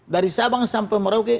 dari sabang sampai merauke